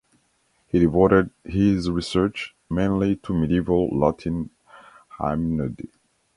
He devoted his research mainly to medieval Latin hymnody.